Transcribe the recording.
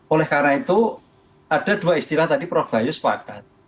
oleh karena itu ada dua istilah tadi prof bayu sepakat